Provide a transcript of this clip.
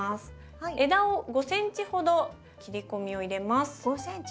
枝を５ｃｍほど切り込みを入れます。